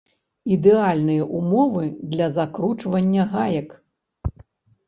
Ідэальныя ўмовы для закручвання гаек.